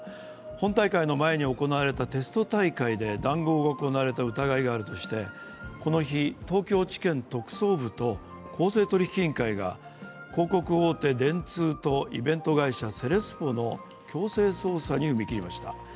本大会の前に行われたテスト大会で談合が行われた疑いがあるとして、この日、東京地検特捜部と公正取引委員会が広告大手・電通とイベント会社・セレスポの強制捜査に踏み切りました。